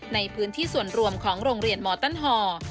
ในพื้นที่ส่วนรวมของโรงเรียนมอตันฮอร์